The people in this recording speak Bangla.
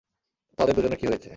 তাদের দুজনের কী হয়েছে?